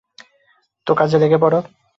তো, কাজে লেগে পড়ো।